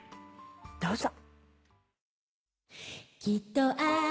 どうぞ。